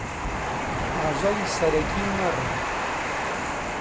ئاژەڵی سەرەکی مەڕە.